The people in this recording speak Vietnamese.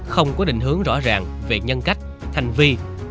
không có định hướng rõ ràng về nhân cách hành vi